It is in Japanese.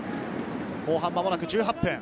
後半間もなく１８分。